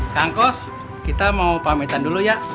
kangkos kita mau pamitan dulu ya